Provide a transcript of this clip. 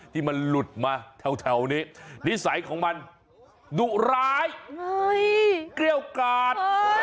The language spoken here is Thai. ที่มันหลุดมาแถวนี้นิสัยของมันดุร้ายเกรี้ยวกาด